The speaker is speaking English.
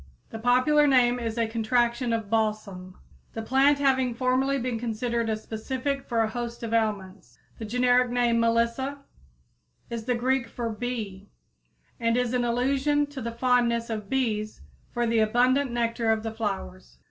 The popular name is a contraction of balsam, the plant having formerly been considered a specific for a host of ailments. The generic name, Melissa, is the Greek for bee and is an allusion to the fondness of bees for the abundant nectar of the flowers.